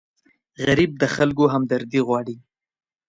غریب د خلکو همدردي غواړي